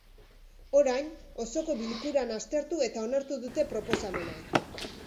Orain, osoko bilkuran aztertu eta onartu dute proposamena.